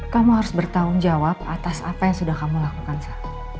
kamu harus bertanggung jawab atas apa yang sudah kamu lakukan sekarang